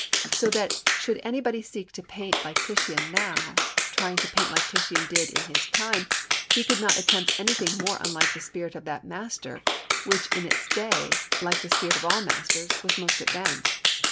So that should anybody seek to paint like Titian now, by trying to paint like Titian did in his time, he could not attempt anything more unlike the spirit of that master; which in its day, like the spirit of all masters, was most advanced.